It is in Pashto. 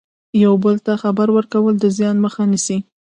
یو بل ته خبر ورکول د زیان مخه نیسي.